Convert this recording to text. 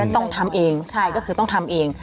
ต้องทำเองใช่ก็คือต้องทำเอง